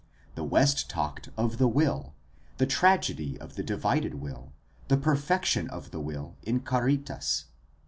The West talked of the will, the tragedy of the divided will, the perfection of the will in caritas.